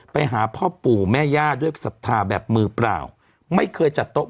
นะคะหือ